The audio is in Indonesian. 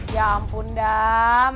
ya ampun dam